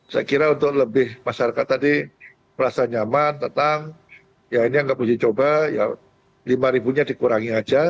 saya kira untuk lebih masyarakat tadi merasa nyaman tentang ya ini nggak perlu uji coba ya rp lima nya dikurangi aja